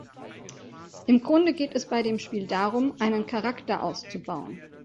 Im Grunde geht es bei dem Spiel darum, einen Charakter auszubauen.